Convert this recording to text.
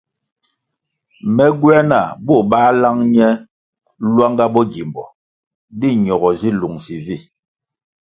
Me gywē nah bo bā lang ne lwanga bo gimbo di ñogo zi lungsi vi.